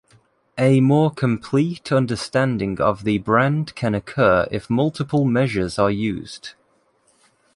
A more complete understanding of the brand can occur if multiple measures are used.